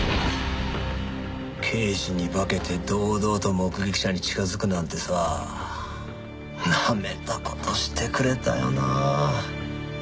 刑事に化けて堂々と目撃者に近づくなんてさなめた事してくれたよな。